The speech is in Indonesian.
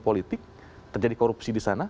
politik terjadi korupsi disana